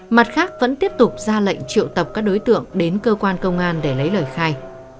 mặt khác vẫn tiếp tục ra lệnh triệu tập các đối tượng đến cơ quan công an để lấy lời khai